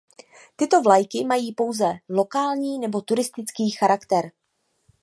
Tyto vlajky mají pouze lokální nebo turistický charakter.